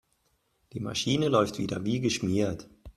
Die Maschine läuft wieder wie geschmiert.